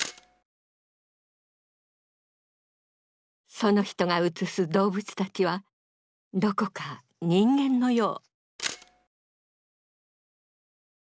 その人が写す動物たちはどこか人間のよう。